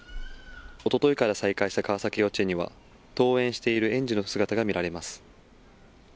おとといから再開した川崎幼稚園には、登園している園児の姿が見られます。